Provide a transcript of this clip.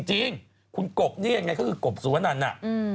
จริงคุณกบนี่ยังไงก็คือกบสุวนันน่ะ